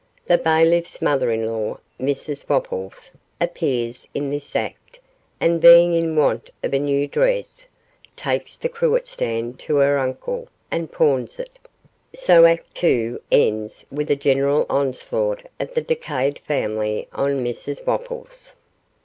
The bailiff's mother in law (Mrs Wopples) appears in this act, and, being in want of a new dress, takes the cruet stand to her 'uncle' and pawns it; so Act II ends with a general onslaught of the decayed family on Mrs Wopples.